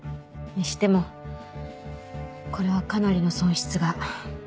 にしてもこれはかなりの損失が。